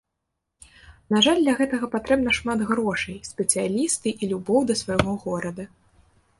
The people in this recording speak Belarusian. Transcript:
На жаль, для гэтага патрэбна шмат грошай, спецыялісты і любоў да свайго горада.